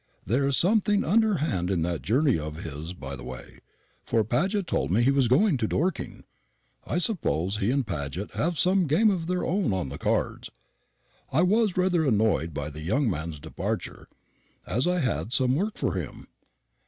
There's something underhand in that journey of his by the way; for Paget told me he was going to Dorking. I suppose he and Paget have some game of their own on the cards. I was rather annoyed by the young man's departure, as I had some work for him.